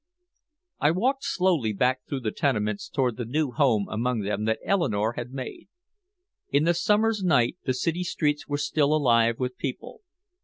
I walked slowly back through the tenements toward the new home among them that Eleanore had made. In the summer's night the city streets were still alive with people.